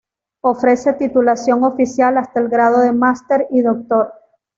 Ofrece titulación oficial hasta el grado de Máster y doctor.